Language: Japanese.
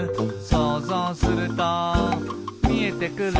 「そうぞうするとみえてくる」